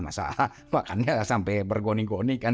masa makannya sampai bergoni goni kan